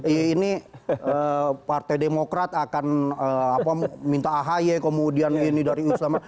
ini partai demokrat akan minta ahy kemudian ini dari ulama